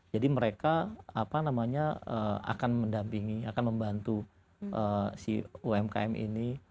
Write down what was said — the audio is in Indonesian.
jadi mereka apa namanya akan mendampingi akan membantu si umkm ini